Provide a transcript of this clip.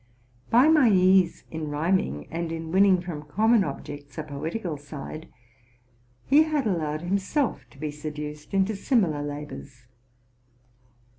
By my ease in rhyming, and in winning from common objects a poetical side, he had allowed himself to be seduced into similar labors.